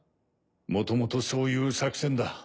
もともとそういう作戦だ。